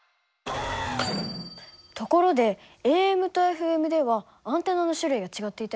ところでＡＭとＦＭではアンテナの種類が違っていたよね。